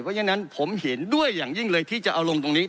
เพราะฉะนั้นผมเห็นด้วยอย่างยิ่งเลยที่จะเอาลงตรงนี้